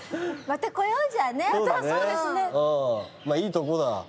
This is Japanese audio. まぁいいとこだ。